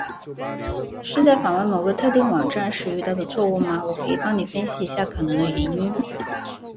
是在访问某个特定网站时遇到这个错误吗？我可以帮你分析一下可能的原因。